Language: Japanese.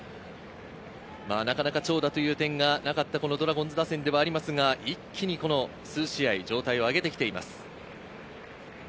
なかなか長打という点がなかったドラゴンズ打線ですが、一気に数試合状態を上げてきています。